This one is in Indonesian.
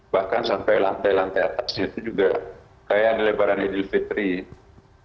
bahkan sampai lantai lantai atasnya itu juga kaya ada lebaran idil fitri